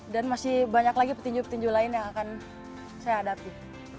dan masih banyak lagi petinju petinju lain yang akan saya hadapi